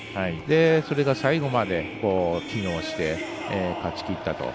それが最後まで機能して勝ちきったと。